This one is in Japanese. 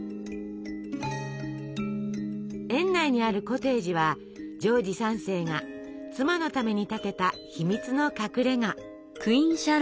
園内にあるコテージはジョージ３世が妻のために建てた秘密の隠れが。